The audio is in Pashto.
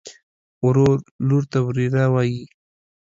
ورور لور ته وريره وايي.